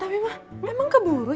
tapi ma memang kebunuh